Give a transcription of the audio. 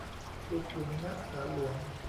ลูกขุน ณ ศาลหลวง